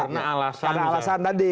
karena alasan tadi